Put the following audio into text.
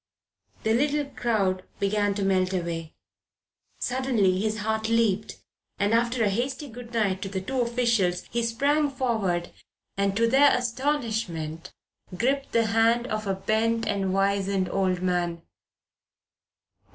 The little crowd began to melt away. Suddenly his heart leaped and, after a hasty good night to the two officials, he sprang forward and, to their astonishment, gripped the hand of a bent and wizened old man.